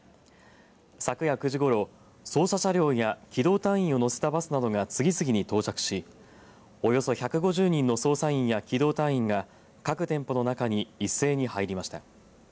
昨夜９時ごろ捜査車両や機動隊員を乗せたバスなどが次々に到着しおよそ１５０人の捜査員や機動隊員が各店舗の中に一斉に入りました。